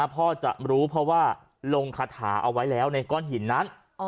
พ่อจะรู้เพราะว่าลงคาถาเอาไว้แล้วในก้อนหินนั้น